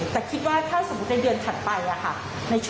แต่คิดว่าถ้าสมมุติในเดือนถัดไปค่ะ